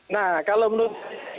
nah kalau menurut